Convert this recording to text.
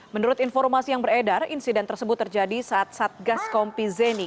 menurut informasi yang beredar insiden tersebut terjadi saat satgas kompi zeni